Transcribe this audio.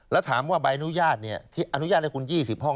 แล้วถามว่าใบอนุญาตที่อนุญาตอนุญาตให้คุณ๒๐ห้อง